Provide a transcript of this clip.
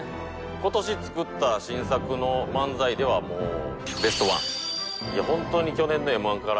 今年作った新作の漫才ではもうベストワンいや